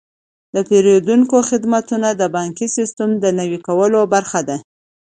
د پیرودونکو خدمتونه د بانکي سیستم د نوي کولو برخه ده.